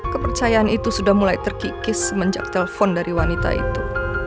kepercayaan itu sudah mulai terkikis semenjak telepon dari wanita itu